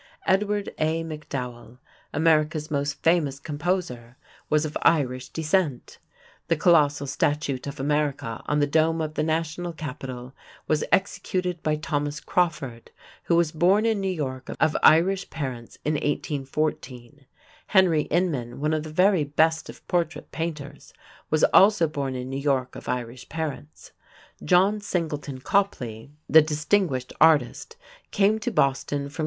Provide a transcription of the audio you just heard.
Edward A. MacDowell, America's most famous composer, was of Irish descent. The colossal statute of "America" on the dome of the National Capitol was executed by Thomas Crawford, who was born in New York of Irish parents in 1814; Henry Inman, one of the very best of portrait painters, was also born in New York of Irish parents; John Singleton Copley, the distinguished artist, came to Boston from Co.